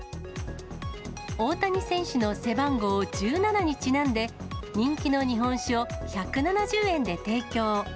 大谷選手の背番号１７にちなんで、人気の日本酒を１７０円で提供。